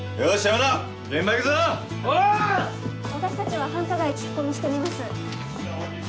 私たちは繁華街聞き込みしてみます。